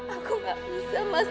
aku tidak bisa mas